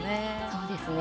そうですね。